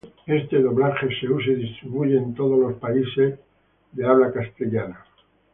Este doblaje es usado y distribuido en todos los países de habla hispana.